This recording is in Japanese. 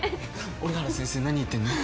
折原先生何言ってるの？